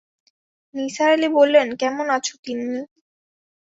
নিসার আলি বললেন, কেমন আছ তিন্নি?